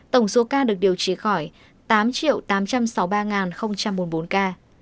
tổng số ca được điều trị khỏi tám tám trăm sáu mươi ba bốn mươi bốn ca